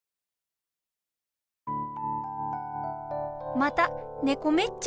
・またねこめっちゃおうね。